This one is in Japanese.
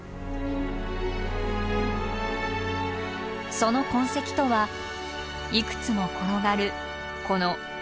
その痕跡とはいくつも転がるこの大きな岩。